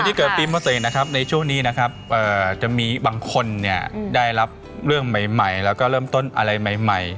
ที่เกิดปีม๔นะครับในช่วงนี้นะครับจะมีบางคนเนี่ยได้รับเรื่องใหม่แล้วก็เริ่มต้นอะไรใหม่